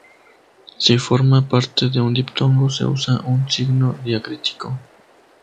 Si forma parte de un diptongo, se usa un signo diacrítico.